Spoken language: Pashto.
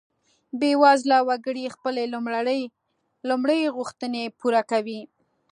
بیوزله وګړي خپلې لومړۍ غوښتنې پوره کوي.